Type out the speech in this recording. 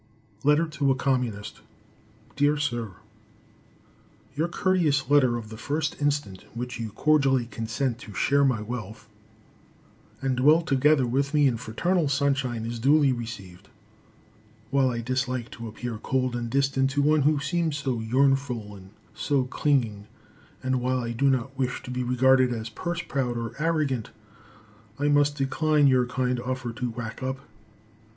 Letter to a Communist. Dear Sir. Your courteous letter of the 1st instant, in which you cordially consent to share my wealth and dwell together with me in fraternal sunshine, is duly received. While I dislike to appear cold and distant to one who seems so yearnful and so clinging, and while I do not wish to be regarded as purse proud or arrogant, I must decline your kind offer to whack up.